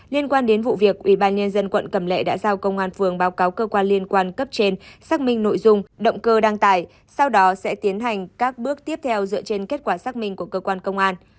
liên quan đến vụ việc ubnd quận cầm lệ đã giao công an phường báo cáo cơ quan liên quan cấp trên xác minh nội dung động cơ đăng tải sau đó sẽ tiến hành các bước tiếp theo dựa trên kết quả xác minh của cơ quan công an